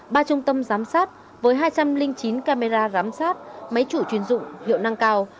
ba trung tâm giám sát với hai trăm linh chín camera giám sát máy chủ chuyên dụng hiệu năng cao